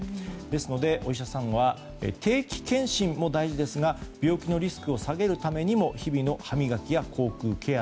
ですので、お医者さんは定期検診も大事ですが病気のリスクを下げるためにも日々の歯磨きや口腔ケア